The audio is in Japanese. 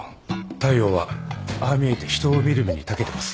大陽はああ見えて人を見る目にたけてます。